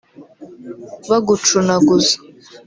bagucunaguza